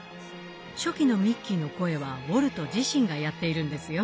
初期のミッキーの声はウォルト自身がやっているんですよ。